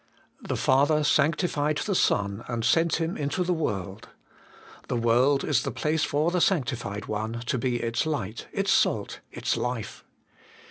' The Father sanctified the Son, and sent Him into the world.' The world is the place for the sanctified one, to be its light, its salt, its life.